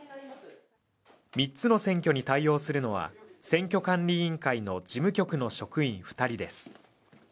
３つの選挙に対応するのは選挙管理委員会の事務局の職員二人です